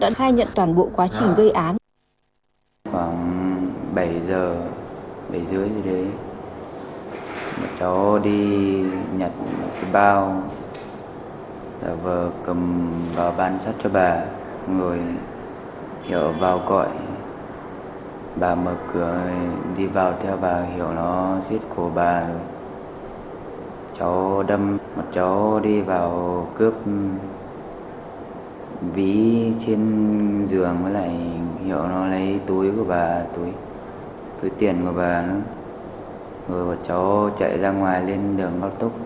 đã khai nhận toàn bộ quá trình gây án